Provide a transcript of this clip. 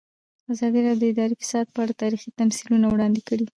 ازادي راډیو د اداري فساد په اړه تاریخي تمثیلونه وړاندې کړي.